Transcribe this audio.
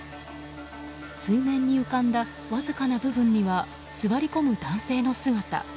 水面に浮かんだわずかな部分には座り込む男性の姿。